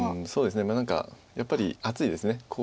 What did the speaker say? そうですね何かやっぱり厚いです。